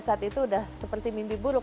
saat itu sudah seperti mimpi buruk